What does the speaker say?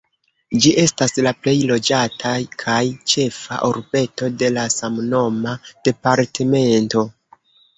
Ĝi estas la plej loĝata kaj ĉefa urbeto de la samnoma departemento.